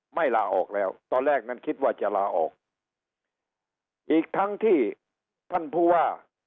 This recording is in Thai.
ลาออกแล้วตอนแรกนั้นคิดว่าจะลาออกอีกทั้งที่ท่านผู้ว่า